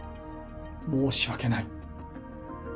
申し訳ない。